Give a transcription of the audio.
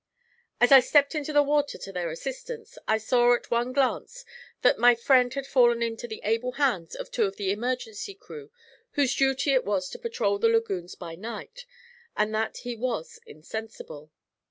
As I stepped into the water to their assistance, I saw at one glance that my friend had fallen into the able hands of two of the emergency crew, whose duty it was to patrol the lagoons by night, and that he was insensible.